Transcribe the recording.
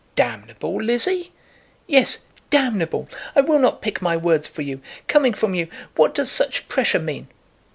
"Damnable, Lizzie!" "Yes; damnable. I will not pick my words for you. Coming from you, what does such pressure mean?"